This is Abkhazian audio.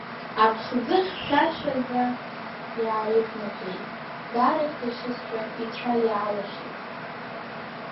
Аԥхӡы хьшәашәаӡа иааиқәнаҭәеит, дарыхьҭашьызшәа ицәа иаалашәеит.